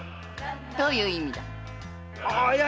どういう意味だい？